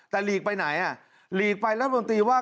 แต่อัมเป็นอัตลายะอัตลายไปรัฐบุตรฉันเรียกว่า